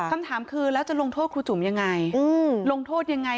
คำถามคือแล้วจะลงโทษครูจุ๋มยังไงลงโทษยังไง